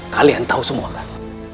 kalian tahu semua kan